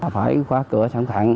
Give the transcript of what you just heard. phải khóa cửa sẵn sẵn